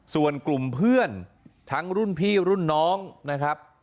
ส่วนกลุ่มเพื่อนทั้งรุ่นพี่รุ่นน้องนะครับ